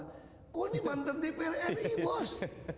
gue ini mantan dprd bos